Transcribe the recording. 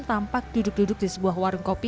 tampak duduk duduk di sebuah warung kopi